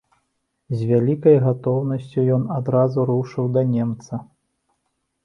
З вялікай гатоўнасцю ён адразу рушыў да немца.